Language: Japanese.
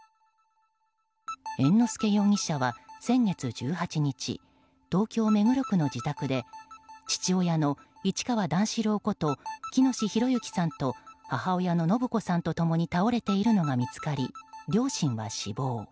猿之助容疑者は先月１８日東京・目黒区の自宅で父親の市川段四郎こと喜熨斗弘之さんと母親の延子さんと共に倒れているのが見つかり両親は死亡。